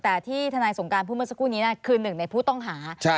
แต่ที่ทนายสงการพูดเมื่อสักครู่นี้คือหนึ่งในผู้ต้องหา